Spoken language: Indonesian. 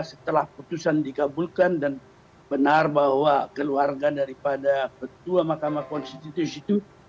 setelah putusan dikabulkan dan benar bahwa keluarga daripada ketua mahkamah konstitusi itu